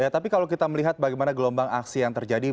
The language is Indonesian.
tapi kalau kita melihat bagaimana gelombang aksi yang terjadi